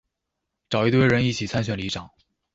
找一堆人一起參選里長